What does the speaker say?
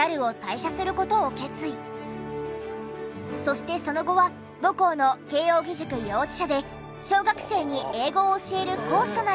そしてその後は母校の慶應義塾幼稚舎で小学生に英語を教える講師となり。